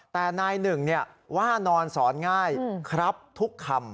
แต่นายหนึ่งว่านอนสอนง่ายครับทุกคำ